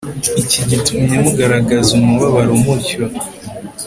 iki gitumye mugaragaza umubabaro mutyo